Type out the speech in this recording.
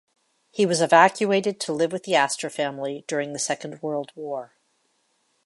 He was evacuated to live with the Astor family during the Second World War.